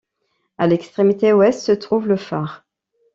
À l'extrémité ouest se trouve le phare.